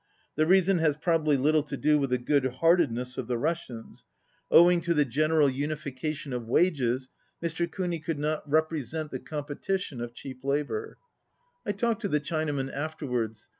The reason has probably little to do with the good heartedness of the Russians. Owing to the gen 69 cral unification of wages Mr. Kuni could not rep resent the competition of cheap labour. I talked to the Chinaman afterwards.